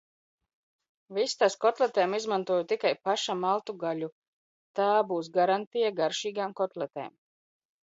Vistas kotletēm izmantoju tikai paša maltu gaļu, tā būs garantija garšīgām kotletēm.